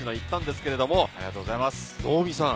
能見さん